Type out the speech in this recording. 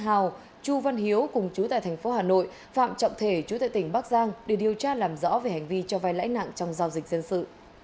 hào chu văn hiếu cùng chú tại thành phố hà nội phạm trọng thể chú tại tỉnh bắc giang để điều tra làm rõ về hành vi cho vai lãi nặng trong giao dịch dân sự